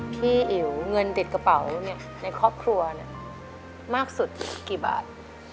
พี่อิ๋วเงินติดกระเป๋าอยู่เนี่ยในครอบครัวเนี่ยมากสุดกี่บาท